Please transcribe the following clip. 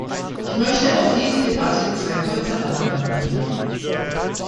Ich möchte auf diese Debatte zwei kurze Antworten geben.